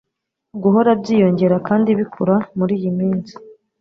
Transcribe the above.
guhora byiyongera kandi bikura muri iyi minsi